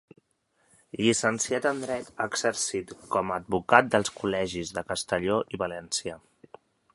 Llicenciat en dret, ha exercit com a advocat dels Col·legis de Castelló i València.